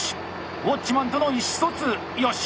ウォッチマンとの意思疎通よし！